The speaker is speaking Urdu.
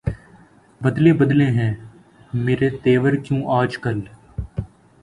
بدلے بدلے ہیں میرے تیور کیوں آج کل